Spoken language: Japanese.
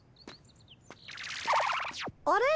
あれ？